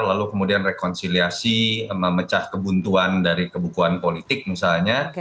lalu kemudian rekonsiliasi memecah kebuntuan dari kebukuan politik misalnya